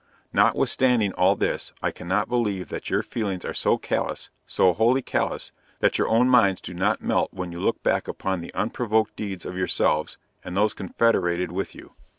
Notwithstanding all this, I cannot believe that your feelings are so callous, so wholly callous, that your own minds do not melt when you look back upon the unprovoked deeds of yourselves, and those confederated with you.